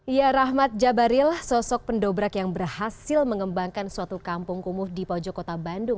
ya rahmat jabaril sosok pendobrak yang berhasil mengembangkan suatu kampung kumuh di pojok kota bandung